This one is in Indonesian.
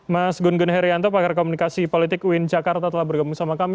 mas gun gun herianto pakar komunikasi politik uin jakarta telah bergabung sama kami